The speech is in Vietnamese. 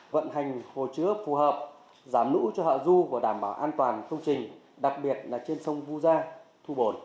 vận hành hồ chứa phù hợp giảm lũ cho hạ du và đảm bảo an toàn công trình đặc biệt là trên sông vu gia thu bồn